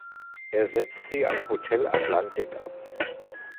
Er setzt sie am Hotel Atlantic ab.